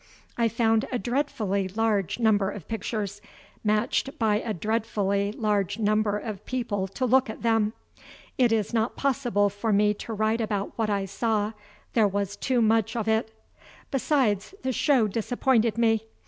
I found a dreadfully large number of pictures, matched by a dreadfully large number of people to look at them. It is not possible for me to write about what I saw: there was too much of it. Besides, the show disappointed me.